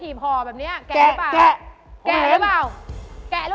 ไหนเจ๊ยังมีความสุขแล้ว